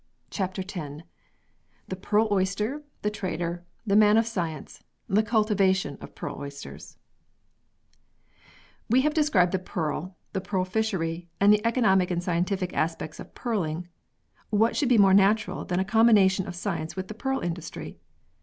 CHAPTER X THE PEARL OYSTER THE TRADER THE MAN OF SCIENCE THE CULTIVATION OF PEARL OYSTERS WE have described the pearl, the pearl fishery, and the economic and scientific aspects of pearling ; what should be more natural than a combination of science with the pearl industry?